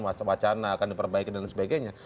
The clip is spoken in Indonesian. macam wacana akan diperbaiki dan sebagainya